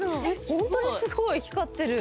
ほんとにすごい光ってる。